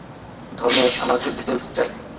ধর্মেশ, আমার কিছু ডিটেইলস চাই।